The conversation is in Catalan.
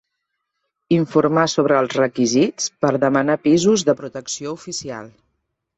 Informar sobre els requisits per demanar pisos de protecció oficial.